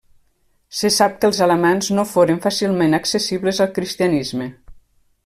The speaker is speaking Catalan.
Se sap que els alamans no foren fàcilment accessibles al cristianisme.